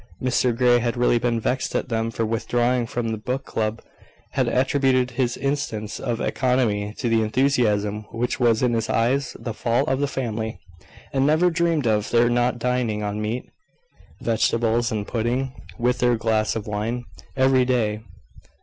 Mr Grey had really been vexed at them for withdrawing from the book club; had attributed this instance of economy to the "enthusiasm" which was, in his eyes, the fault of the family; and never dreamed of their not dining on meat, vegetables, and pudding, with their glass of wine, every day.